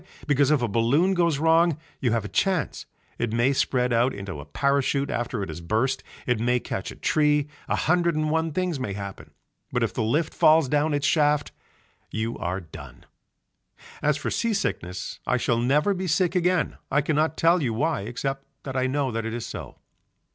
Because if a balloon goes wrong you have a chance, it may spread out into a parachute after it has burst, it may catch in a tree, a hundred and one things may happen, but if the lift falls down its shaft you are done. As for sea sickness I shall never be sick again, I cannot tell you why except that I know that it is so.